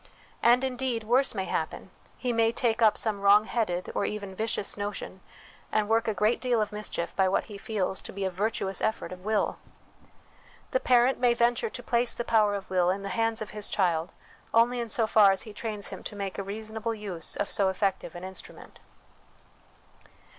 And, indeed, worse may happen : he may take up some wrong headed, or even vicious, notion and work a great deal of mischief by what he feels to be a virtuous effort of will. The parent may venture to place the power of will in the hands of his child only in so far as he trains him to make a reasonable use of so effective an instrument.